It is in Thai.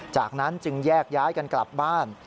จากนั้นจึงแยกย้ายกันกลับบ้าน